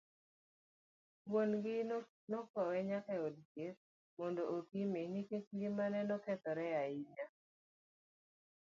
Wuon gi nokowe nyaka od thieth, mondo opime nikech ng'imane nokethore ahinya.